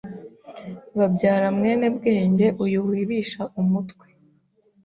Babyara Mwenebwenge uyu wibisha umutwe